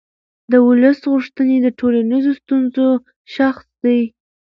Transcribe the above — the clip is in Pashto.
د ولس غوښتنې د ټولنیزو ستونزو شاخص دی